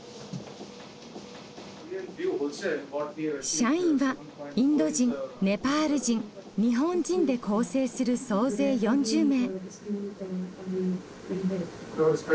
社員はインド人ネパール人日本人で構成する総勢４０名。